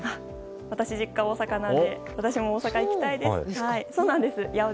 私、実家大阪なので私も大阪行きたいです。